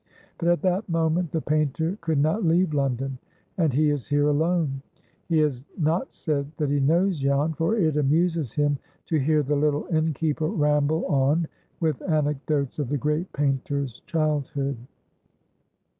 But at that moment the painter could not leave London, and he is here alone. He has not said that he knows Jan, for it amuses him to hear the little innkeeper ramble on with anecdotes of the great painter's childhood.